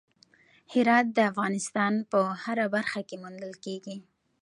هرات د افغانستان په هره برخه کې موندل کېږي.